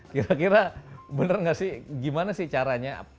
kira kira bener gak sih gimana sih caranya